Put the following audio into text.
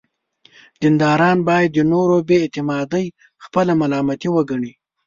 دینداران باید د نورو بې اعتقادي خپله ملامتي وګڼي.